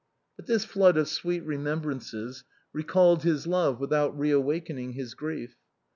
But this flood of sweet remembrances recalled his love without reawakening his grief.